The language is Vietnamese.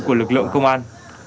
của lực lượng công an